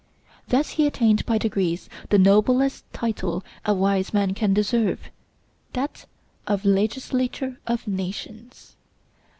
Thus he attained by degrees to the noblest title a wise man can deserve, that of legislator of nations.